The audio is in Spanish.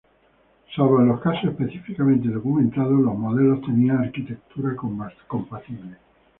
Salvo en los casos específicamente documentados, los modelos tenían arquitectura compatible.